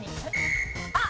あっ！